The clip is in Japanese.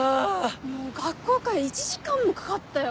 もう学校から１時間もかかったよ。